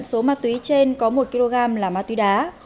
số ma túy trên có một kg là ma túy đá